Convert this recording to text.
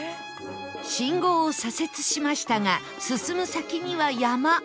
信号を左折しましたが進む先には山